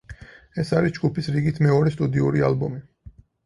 ეს არის ჯგუფის რიგით მეორე სტუდიური ალბომი.